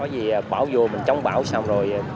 vô mình chống bão xong rồi